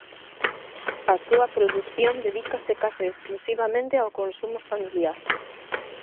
A súa produción dedícase case exclusivamente ao consumo familiar.